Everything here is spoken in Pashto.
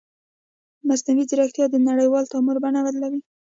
مصنوعي ځیرکتیا د نړیوال تعامل بڼه بدلوي.